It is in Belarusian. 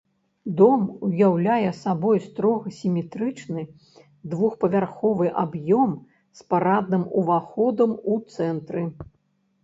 Дом уяўляе сабой строга сіметрычны двухпавярховы аб'ём з парадным уваходам у цэнтры.